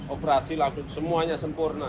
operasi langsung semuanya sempurna